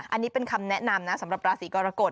อันนี้เป็นคำแนะนำนะสำหรับราศีกรกฎ